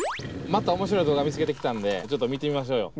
また面白い動画見つけてきたんでちょっと見てみましょうよ。